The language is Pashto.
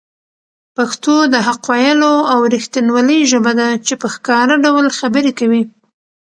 پښتو د حق ویلو او رښتینولۍ ژبه ده چي په ښکاره ډول خبرې کوي.